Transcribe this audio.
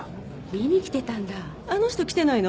見にきてたんだ・あの人来てないの？